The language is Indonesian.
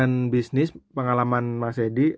dengan bisnis pengalaman mas edi